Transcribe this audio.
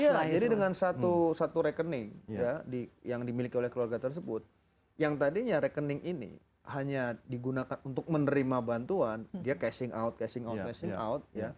iya jadi dengan satu rekening yang dimiliki oleh keluarga tersebut yang tadinya rekening ini hanya digunakan untuk menerima bantuan dia cassing out cassing out cashing out